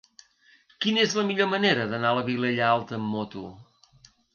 Quina és la millor manera d'anar a la Vilella Alta amb moto?